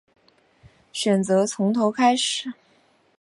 选择从头开始